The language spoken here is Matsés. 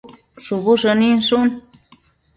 shubu shëninshun